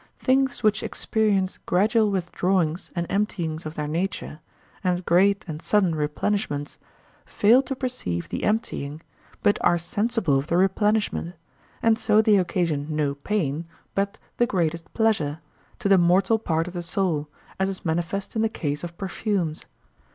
Things which experience gradual withdrawings and emptyings of their nature, and great and sudden replenishments, fail to perceive the emptying, but are sensible of the replenishment; and so they occasion no pain, but the greatest pleasure, to the mortal part of the soul, as is manifest in the case of perfumes.